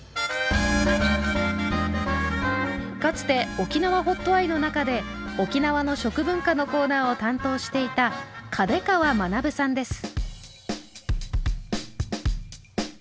かつて「おきなわＨＯＴｅｙｅ」の中で沖縄の食文化のコーナーを担当していた嘉手川学さんです。